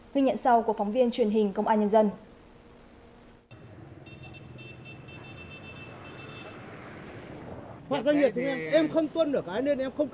ghi nhận sau của phóng viên truyền hình công an nhân dân